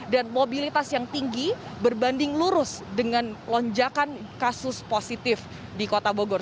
dan mobilitas yang tinggi berbanding lurus dengan lonjakan kasus positif di kota bogor